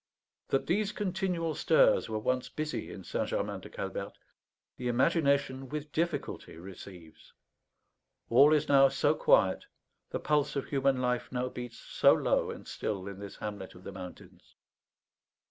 That these continual stirs were once busy in St. Germain de Calberte, the imagination with difficulty receives; all is now so quiet, the pulse of human life now beats so low and still in this hamlet of the mountains.